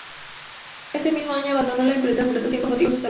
Ese mismo año abandonó la interpretación por motivos de salud.